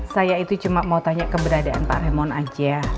saya itu cuma mau tanya keberadaan pak remon aja